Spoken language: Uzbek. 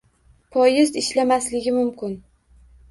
Poyezd ishlamasligi mumkin.